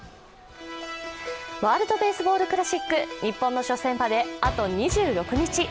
ワールドベースボールクラシック日本の初戦まであと２６日。